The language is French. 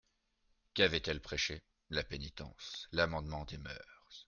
Qu'avait-elle prêché ? la pénitence, l'amendement des moeurs.